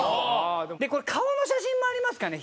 これ顔の写真もありますかね？